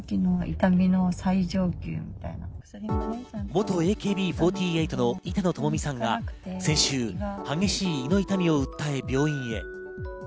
元ＡＫＢ４８の板野友美さんが先週、激しい胃の痛みを訴え病院へ。